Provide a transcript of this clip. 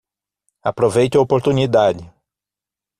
Aproveite a oportunidade